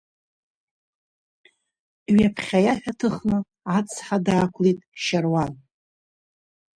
Ҩаԥхьа иаҳәа ҭыхны ацҳа даақәлеит Шьаруан.